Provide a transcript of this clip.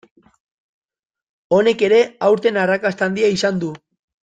Honek ere aurten arrakasta handia izan du.